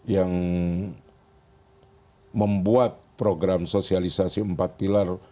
yang membuat program sosialisasi empat pilar